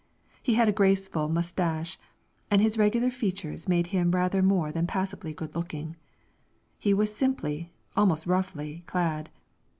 He had a graceful mustache, and his regular features made him rather more than passably good looking. He was simply, almost roughly, clad.